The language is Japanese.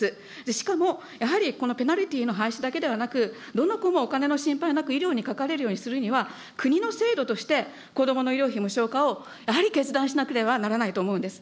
しかも、やはりこのペナルティーの廃止だけではなく、どの子もお金の心配なく医療にかかれるようにするには、国の制度として子どもの医療費無償化をやはり決断しなければならないと思うんです。